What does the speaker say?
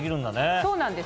そうなんです。